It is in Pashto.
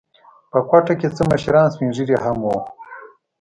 په کوټه کې څه مشران سپین ږیري هم و.